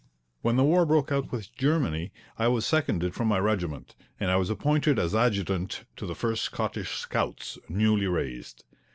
When the war broke out with Germany I was seconded from my regiment, and I was appointed as adjutant to the First Scottish Scouts, newly raised.